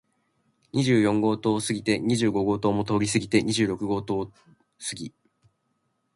二十四号棟を過ぎて、二十五号棟も通り過ぎて、二十六号棟を過ぎ、